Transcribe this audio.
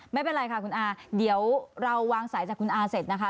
ไม่เป็นไรค่ะคุณอาเดี๋ยวเราวางสายจากคุณอาเสร็จนะคะ